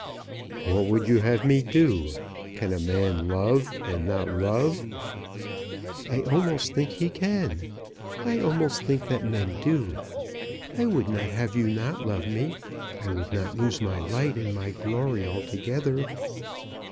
"What would you have me do? Can a man love and not love?" "I almost think he can. I almost think that men do. I would not have you not love me. I would not lose my light and my glory altogether.